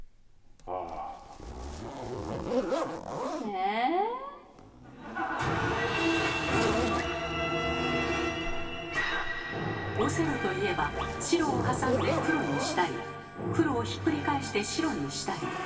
えぇ⁉オセロといえば白をはさんで黒にしたり黒をひっくり返して白にしたり。